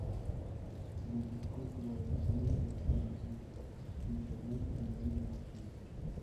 En el disco hay colaboraciones de María Villalón y Dani Martín.